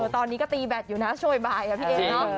ตอนนี้ก็ตีแบตอยู่นะช่วงบ่ายพี่เอ๊เนอะ